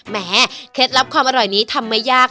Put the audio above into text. แม้เคล็ดลับความอร่อยนี้ทำยาก